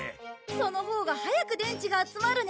そのほうが早く電池が集まるね！